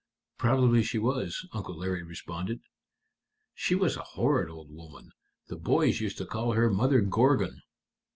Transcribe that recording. "Probably she was," Uncle Larry responded. "She was a horrid old woman. The boys used to call her Mother Gorgon."